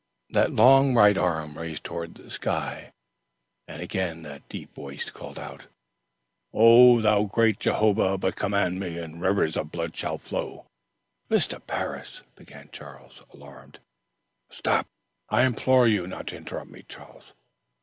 The long right arm was raised toward the sky, and again that deep voice called out: "O thou great Jehovah, do but command me, and rivers of blood shall flow " "Mr. Parris!" began Charles, alarmed. "Stop! I implore you do not interrupt me, Charles.